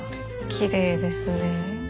きれいですね。